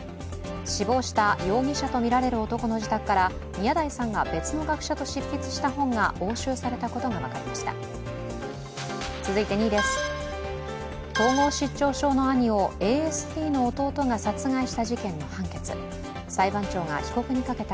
死亡した容疑者とみられる男の自宅から宮台さんが別の学者と執筆した本が押収されたことが分かりました。